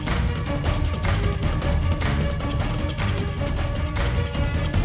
เฮ้ยเมื่อกี้มันจะหนีไปไหน